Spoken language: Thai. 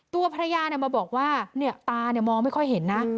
ตัวภรรยามาบอกว่าตามองไม่ค่อยเห็นนะ